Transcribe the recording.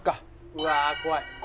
うわあ怖い。